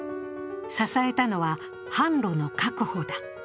支えたのは販路の確保だ。